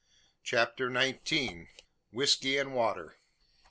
CHAPTER NINETEEN. WHISKY AND WATER.